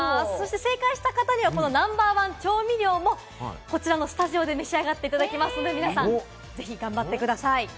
正解した方にはナンバーワン調味料もこちらのスタジオで召し上がっていただきますので、皆さん、ぜひ頑張ってください。